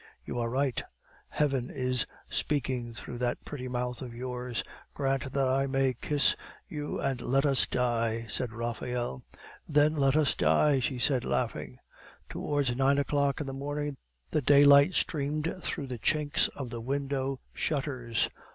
"You are right; Heaven is speaking through that pretty mouth of yours. Grant that I may kiss you, and let us die," said Raphael. "Then let us die," she said, laughing. Towards nine o'clock in the morning the daylight streamed through the chinks of the window shutters.